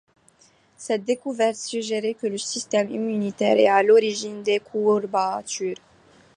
Cette découverte suggère que le système immunitaire est à l'origine des courbatures.